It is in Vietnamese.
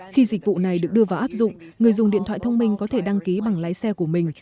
khi dịch vụ này được đưa vào áp dụng người dùng điện thoại thông minh có thể đăng ký bằng lái xe của mình